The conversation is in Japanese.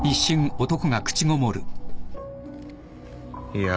「いや」